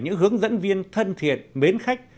những hướng dẫn viên thân thiện mến khách